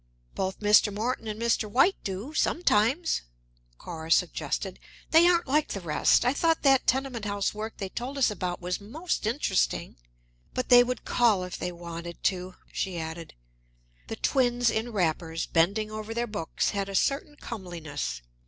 "Both Mr. Morton and Mr. White do, sometimes," Cora suggested. "They aren't like the rest. I thought that tenement house work they told us about was most interesting. But they would call if they wanted to," she added. The twins in wrappers, bending over their books, had a certain comeliness.